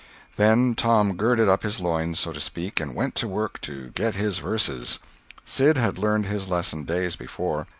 Then Tom girded up his loins, so to speak, and went to work to "get his verses." Sid had learned his lesson days before.